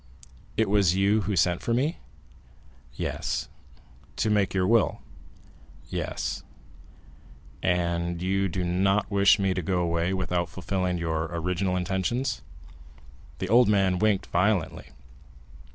"It was you who sent for me?" "Yes." "To make your will?" "Yes." "And you do not wish me to go away without fulfilling your original intentions?" The old man winked violently.